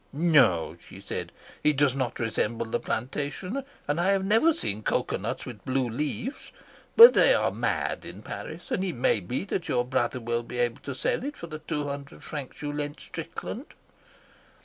'No,' she said, 'it does not resemble the plantation and I have never seen cocoa nuts with blue leaves; but they are mad in Paris, and it may be that your brother will be able to sell it for the two hundred francs you lent Strickland.'